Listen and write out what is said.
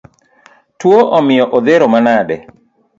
Tuo omiyo odhero manade?